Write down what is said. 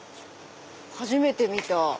初めて見た。